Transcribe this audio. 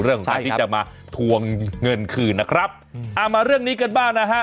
เรื่องของการที่จะมาทวงเงินคืนนะครับอ่ามาเรื่องนี้กันบ้างนะฮะ